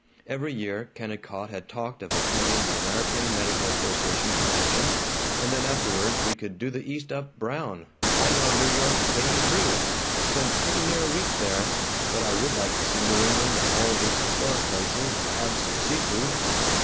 Every year Kennicott had talked of attending the American Medical Association convention, "and then afterwards we could do the East up brown. I know New York clean through spent pretty near a week there but I would like to see New England and all these historic places and have some sea food."